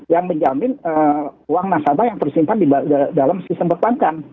yang menjamin uang nasabah yang tersimpan di dalam sistem perbankan